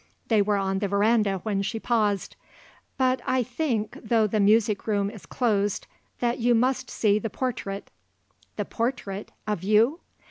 They were on the verandah when she paused. "But I think, though the music room is closed, that you must see the portrait." "The portrait? Of you?"